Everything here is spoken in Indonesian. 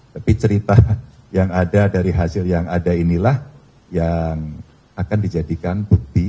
tapi cerita yang ada dari hasil yang ada inilah yang akan dijadikan bukti